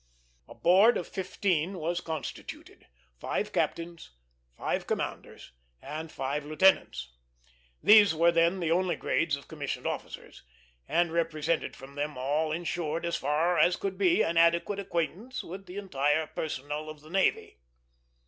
A board of fifteen was constituted five captains, five commanders, and five lieutenants. These were then the only grades of commissioned officers, and representation from them all insured, as far as could be, an adequate acquaintance with the entire personnel of the navy.